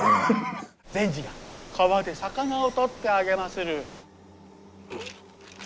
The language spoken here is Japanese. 善児が川で魚を捕ってあげまする。